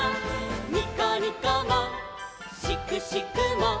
「にこにこもしくしくも」